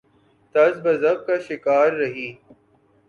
تذبذب کا شکار رہی۔